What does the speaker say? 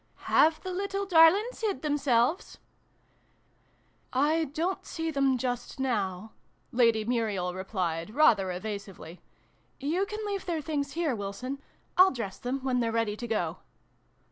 " Have the little darlings hid themselves ?"" I don't see them, just now," Lady Muriel replied, rather evasively. " You can leave their things here, Wilson. /'// dress them, when they're ready to go."